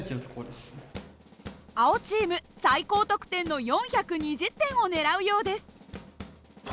青チーム最高得点の４２０点を狙うようです。